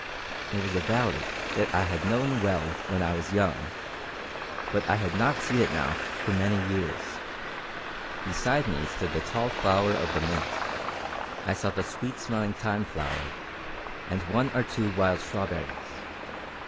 It was a valley that I had known well when I was young, but I had not seen it now for many years. Beside me stood the tall flower of the mint; I saw the sweet smelling thyme flower and one or two wild strawberries.